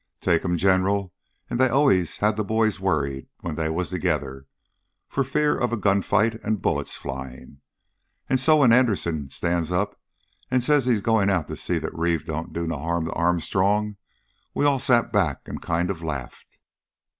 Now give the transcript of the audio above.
Take 'em general and they always had the boys worried when they was together, for fear of a gunfight and bullets flying. And so, when Anderson stands up and says he's going out to see that Reeve don't do no harm to Armstrong, we all sat back and kind of laughed.